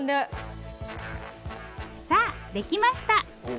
さあできました！